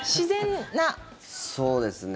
そうですね。